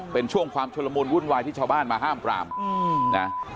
เป็นช่วงความชุลมูลวุ่นวายที่ชาวบ้านมาห้ามปรามนะ